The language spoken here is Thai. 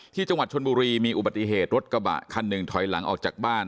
ที่จังหวัดชนบุรีมีอุบัติเหตุรถกระบะคันหนึ่งถอยหลังออกจากบ้าน